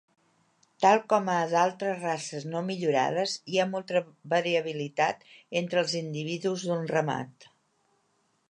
Tal com a d'altres races no millorades, hi ha molta variabilitat entre els individus d'un ramat.